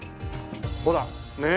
ほらっ！ねえ？